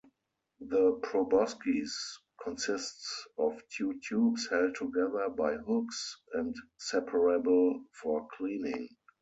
The proboscis consists of two tubes held together by hooks and separable for cleaning.